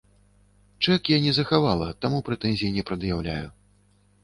Чэк я не захавала, таму прэтэнзій не прад'яўляю.